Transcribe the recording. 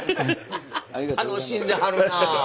楽しんではるな！